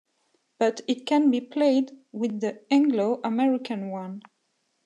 But, it can be played with the Anglo-American one.